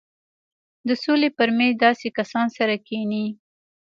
د سولې پر مېز داسې کسان سره کښېني.